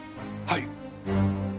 はい。